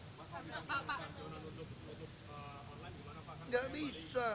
bagaimana kalau nuntut online gimana pak